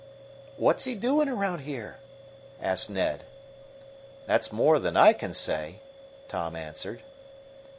"What's he doing around here?" asked Ned. "That's more than I can say," Tom answered.